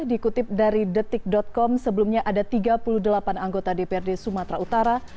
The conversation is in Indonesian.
dikutip dari detik com sebelumnya ada tiga puluh delapan anggota dprd sumatera utara